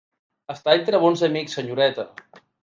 Està entre bons amics, senyoreta.